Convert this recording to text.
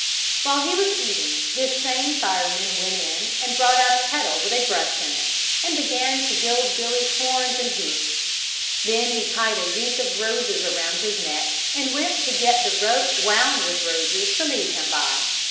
While he was eating this same fireman went in and brought out a kettle with a brush in it and began to gild Billy's horns and hoofs. Then he tied a wreath of roses round his neck and went to get the rope wound with roses to lead him by.